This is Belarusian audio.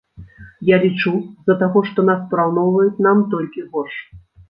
Я лічу, з-за таго, што нас параўноўваюць, нам толькі горш.